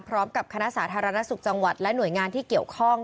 คณะสาธารณสุขจังหวัดและหน่วยงานที่เกี่ยวข้อง